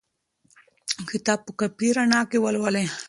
کتاب په کافي رڼا کې ولولئ.